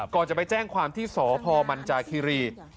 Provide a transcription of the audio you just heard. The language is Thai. ก่อนจะไปแจ้งความที่สพมันจาคิรี